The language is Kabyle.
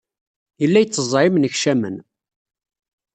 Yella yetteẓẓeɛ imennekcamen.